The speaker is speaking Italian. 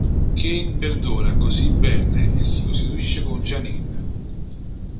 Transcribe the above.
Kaine perdona così Ben e si costituisce con Janine.